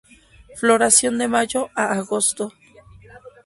Floración de mayo a agosto.